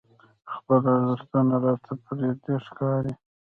خپل ارزښتونه راته پردي ښکاري.